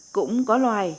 cũng có loài